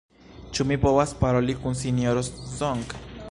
Ĉu mi povas paroli kun Sinjoro Song?